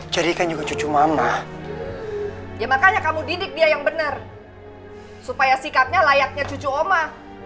jadi kan juga cucu mama ya makanya kamu didik dia yang bener supaya sikatnya layaknya cucu oma